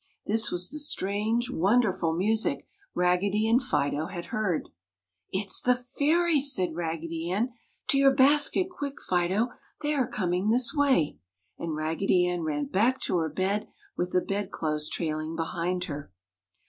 This was the strange, wonderful music Raggedy and Fido had heard. "It's the Fairies!" said Raggedy Ann. "To your basket quick, Fido! They are coming this way!" And Raggedy Ann ran back to her bed, with the bed clothes trailing behind her.